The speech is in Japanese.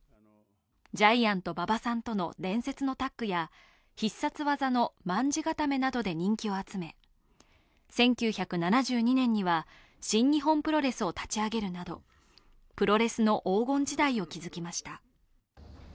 ジャイアント馬場さんとの伝説のタッグや必殺ワザの卍固めなどで人気を集め１９７２年には新日本プロレスを立ち上げるなどプロレスの黄金時代を築きました。